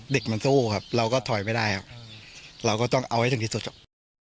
เด็กมันสู้ครับเราก็ถอยไม่ได้ครับเราก็ต้องเอาให้ถึงที่สุดครับ